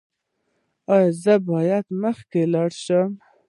ایا زه باید مخکې لاړ شم؟